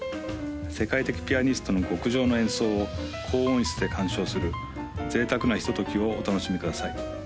世界的ピアニストの極上の演奏を高音質で鑑賞する贅沢なひとときをお楽しみください